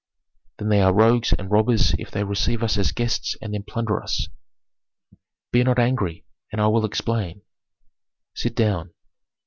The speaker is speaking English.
"Then they are rogues and robbers if they receive us as guests and then plunder us." "Be not angry, and I will explain." "Sit down."